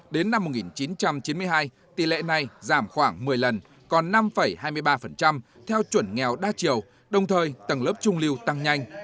đến năm một nghìn chín trăm chín mươi hai tỷ lệ này giảm khoảng một mươi lần còn năm hai mươi ba theo chuẩn nghèo đa chiều đồng thời tầng lớp trung lưu tăng nhanh